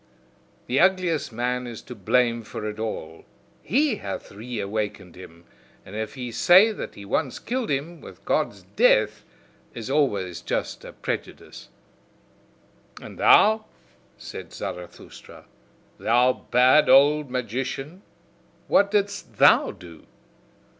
The ugliest man is to blame for it all: he hath reawakened him. And if he say that he once killed him, with Gods DEATH is always just a prejudice." "And thou," said Zarathustra, "thou bad old magician, what didst thou do!